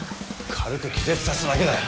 軽く気絶させただけだよ。